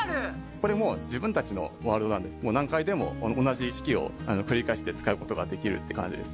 これもう自分たちのワールドなので何回でも同じ式を繰り返して使う事ができるって感じです。